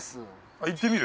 あっ行ってみる？